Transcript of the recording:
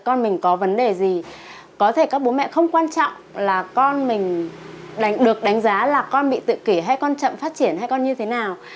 con mình có vấn đề gì có thể các bố mẹ không quan trọng là con mình được đánh giá là con bị tự kỷ hay con chậm phát triển hay con như thế nào